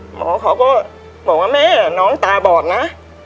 หมอเขาก็บอกว่าแม่น้องตาบอดนะ